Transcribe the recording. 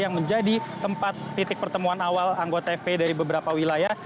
yang menjadi tempat titik pertemuan awal anggota fp dari beberapa wilayah